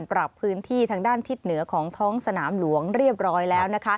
ปรับพื้นที่ทางด้านทิศเหนือของท้องสนามหลวงเรียบร้อยแล้ว